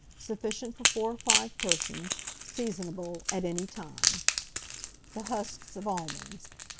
Sufficient for 4 or 5 persons. Seasonable at any time. THE HUSKS OF ALMONDS.